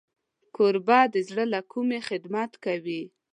کوربه د زړه له کومي خدمت کوي.